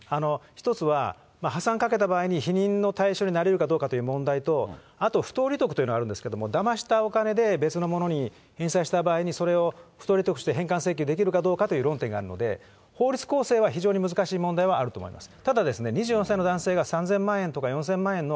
一つは破産かけた場合に否認の対象にになりうるかどうかという問題と、あと不当利得というのがあるんですけれども、だましたお金で別のものに返済した場合に、それを不当利得として返還請求できるかどうかという論点があるので、法律構成は非常に難しい問題はあると思います。